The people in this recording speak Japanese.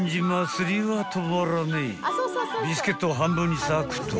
［ビスケットを半分に割くと］